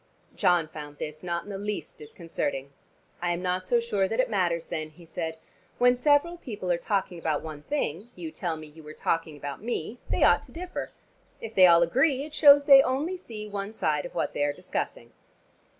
John found this not in the least disconcerting. "I am not so sure that it matters then," he said. "When several people are talking about one thing you tell me you were talking about me they ought to differ. If they all agree, it shows they only see one side of what they are discussing."